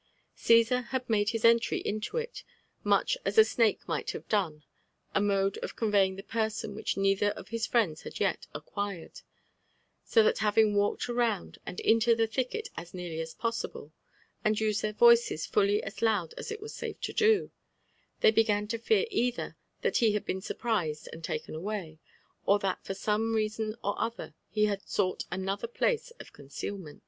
CjBsar had made bis entry into it much as a snake might have done HI mode of eonveying the person which neither of Us frienda had yH acquired ; so that having walked around and into the thi<^et as fi«arly as possible, atid need their voices fully as loud as it was safe to do, they began to fear either that he bad been surprised aod taken away, or that for some reason or other he had sops^t anotb^ place of con cealment.